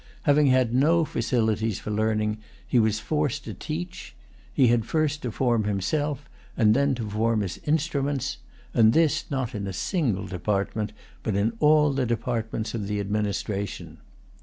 Having had no facilities for learning, he was forced to teach. He had first to form himself, and then to form his instruments; and this not in a single department, but in all the departments of the administration.